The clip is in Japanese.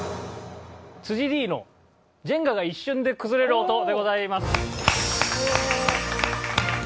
Ｄの「ジェンガが一瞬で崩れる音」でございます。